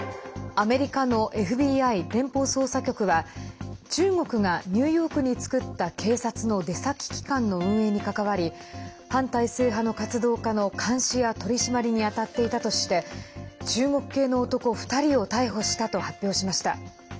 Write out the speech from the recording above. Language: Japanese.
アメリカのＦＢＩ＝連邦捜査局は中国がニューヨークに作った警察の出先機関の運営に関わり反体制派の活動家の監視や取り締まりに当たっていたとして中国系の男２人を逮捕したと発表しました。